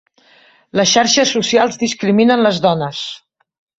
Les xarxes socials discriminen les dones.